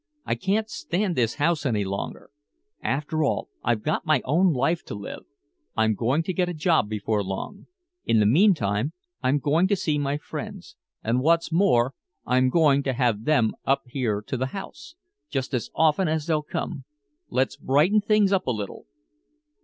I can't stand this house any longer. After all, I've got my own life to live. I'm going to get a job before long. In the meantime I'm going to see my friends. And what's more, I'm going to have them here to the house just as often as they'll come! Let's brighten things up a little!"